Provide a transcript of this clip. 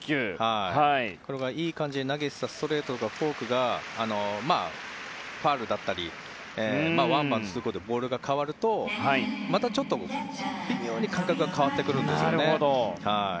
これまでいい感じで投げていたストレートとフォークがファウルだったりワンバウンドすることでボールが変わるとまたちょっと微妙に感覚も変わってくるんですよね。